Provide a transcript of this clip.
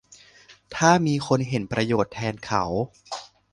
ถ้ามีคนเห็นประโยชน์แทนเขา